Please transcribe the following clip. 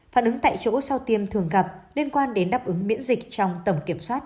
phản ứng tại chỗ sau tiêm thường gặp liên quan đến đáp ứng miễn dịch trong tổng kiểm soát